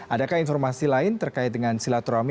adakah informasi lain terkait dengan silaturahmi